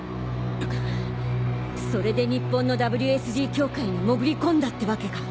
それで日本のＷＳＧ協会に潜り込んだってわけか。